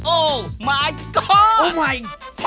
โอ้มายก็อด